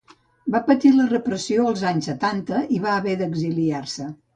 Va patir la repressió als anys setanta i va haver d’exiliar-se.